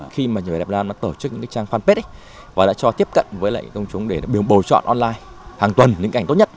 khi mà vẻ đẹp việt nam đã tổ chức những cái trang fanpage ấy và đã cho tiếp cận với lại công chúng để được bầu chọn online hàng tuần những cái ảnh tốt nhất